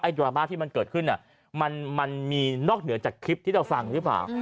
ดราม่าที่มันเกิดขึ้นมันมีนอกเหนือจากคลิปที่เราฟังหรือเปล่า